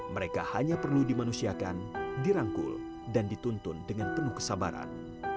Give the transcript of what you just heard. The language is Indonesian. mereka hanya perlu dimanusiakan dirangkul dan dituntun dengan penuh kesabaran